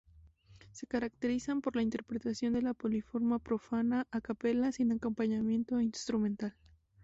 Se caracterizan por la interpretación de la polifonía profana a capella, sin acompañamiento instrumental.